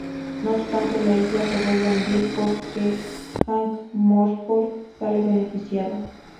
No obstante, la isla se vuelve a hundir, por lo que Ankh-Morpork sale beneficiada.